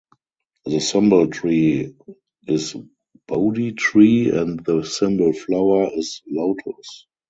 The symbol tree is bodhi tree and the symbol flower is lotus.